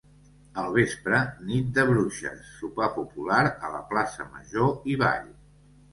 Al vespre, Nit de Bruixes: sopar popular a la plaça Major i ball.